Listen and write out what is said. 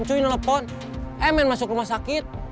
ncu ini telepon mn masuk rumah sakit